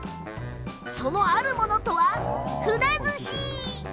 そのあるものとはふなずし！